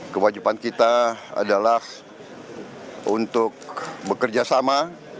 kewajiban kita adalah untuk bekerjasama